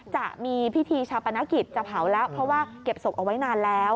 จะมีพิธีชาปนกิจจะเผาแล้วเพราะว่าเก็บศพเอาไว้นานแล้ว